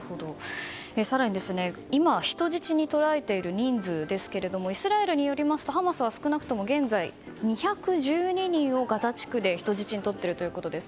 更に今、人質にとられている人数ですがイスラエルによりますとハマスは少なくとも現在、２１２人をガザ地区で人質にとっているということです。